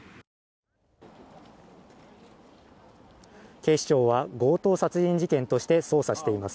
警視庁は強盗殺人事件として捜査しています